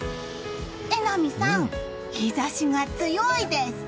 榎並さん、日差しが強いです。